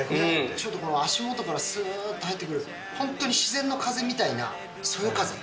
ちょっとこの足元からすーっと入ってくる、本当に自然の風みたいな、そよ風。